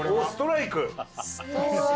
ストライク？